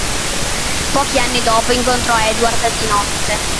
Pochi anni dopo incontrò Edward di notte.